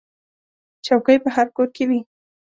چوکۍ په هر کور کې وي.